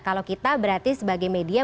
kalau kita berarti sebagai media